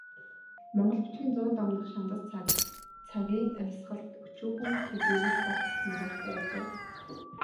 Монгол бичгийн зуун дамнах шандас цаг цагийн амьсгалд өчүүхэн төдий үл саатах нигууртай ажээ.